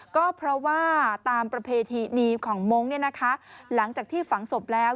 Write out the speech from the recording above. ก็เพราะว่าตามประเพณีของมงค์หลังจากที่ฝังศพแล้ว